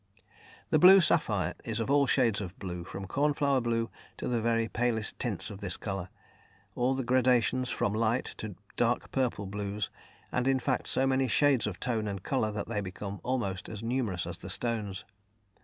The blue sapphire is of all shades of blue, from cornflower blue to the very palest tints of this colour, all the gradations from light to dark purple blues, and, in fact, so many shades of tone and colour that they become almost as numerous as the stones.